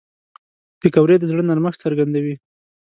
پکورې د زړه نرمښت څرګندوي